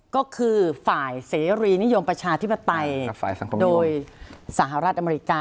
ก็คือฝ่ายเสรีนิยมประชาธิปไตยโดยสหรัฐอเมริกา